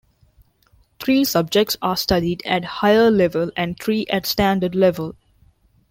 Three subjects are studied at Higher Level and three at Standard Level.